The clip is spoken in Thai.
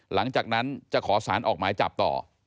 หลังจากนั้นจะขอสารออกหมายจับต่อ